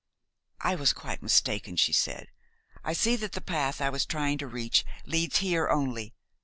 "I was quite mistaken," she said. "I see now that the path I was trying to reach leads here only.